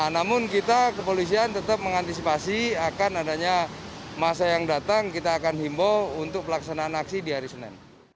namun kita kepolisian tetap mengantisipasi akan adanya masa yang datang kita akan himbau untuk pelaksanaan aksi di hari senin